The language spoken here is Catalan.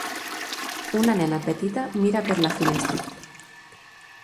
Una nena petita mira per la finestra